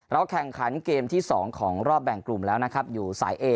แข่งขันเกมที่๒ของรอบแบ่งกลุ่มแล้วนะครับอยู่สายเอ